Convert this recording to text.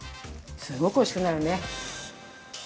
すごくおいしくなるね。